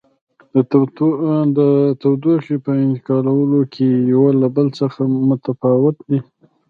د تودوخې په انتقالولو کې یو له بل څخه متفاوت دي.